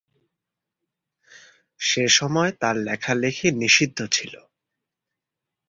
সেসময় তার লেখা-লেখি নিষিদ্ধ ছিল।